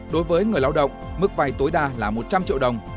đối với người lao động mức vay tối đa là một trăm linh triệu đồng